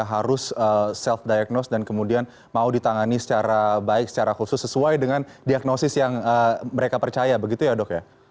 harus self diagnose dan kemudian mau ditangani secara baik secara khusus sesuai dengan diagnosis yang mereka percaya begitu ya dok ya